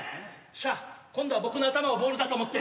しゃあ今度は僕の頭をボールだと思って。